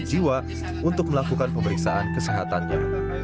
sehingga dia diberi uang untuk melakukan pemeriksaan kesehatannya